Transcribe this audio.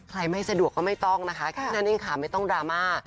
ไม่สะดวกก็ไม่ต้องนะคะแค่นั้นเองค่ะไม่ต้องดราม่า